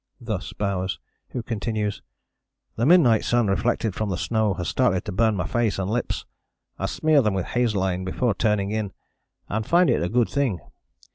Thus Bowers, who continues: "The midnight sun reflected from the snow has started to burn my face and lips. I smear them with hazeline before turning in, and find it a good thing.